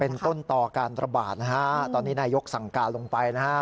เป็นต้นต่อการระบาดนะฮะตอนนี้นายกสั่งการลงไปนะฮะ